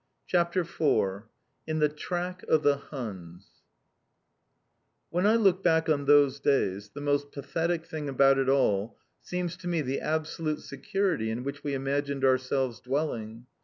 ] CHAPTER IV IN THE TRACK OF THE HUNS When I look back on those days, the most pathetic thing about it all seems to me the absolute security in which we imagined ourselves dwelling.